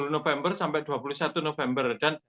sepuluh november sampai dua puluh satu november